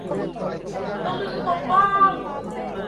ตาลือตกบ้าน